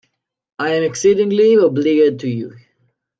I am exceedingly obliged to you.